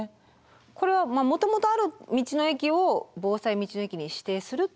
これはまあもともとある道の駅を防災道の駅に指定するっていうこと。